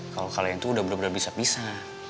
kalau kalian tuh udah bener bener bisa bisa